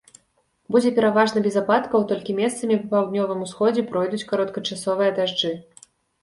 Будзе пераважна без ападкаў, толькі месцамі па паўднёвым усходзе пройдуць кароткачасовыя дажджы.